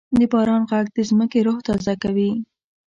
د باران ږغ د ځمکې روح تازه کوي.